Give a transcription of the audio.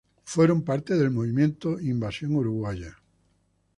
Fueron parte del movimiento "Invasión uruguaya".